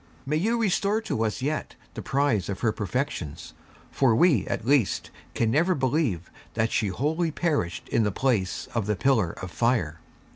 May you restore to us yet the prize of her perfections, for we, at least, can never believe that she wholly perished in the place of the Pillar of Fire!